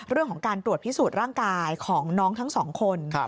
เรื่องของการตรวจพิสูจน์ร่างกายของน้องทั้งสองคน